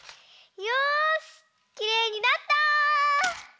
よしきれいになった！